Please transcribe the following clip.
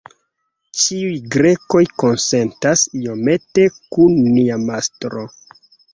Ĉiuj Grekoj konsentas iomete kun nia mastro.